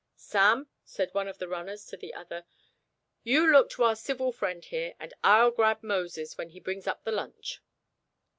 "Sam," said one of the runners to the other, "you look to our civil friend here, and I'll grab Moses when he brings up the lunch."